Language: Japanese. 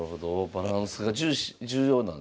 バランスが重要なんですね。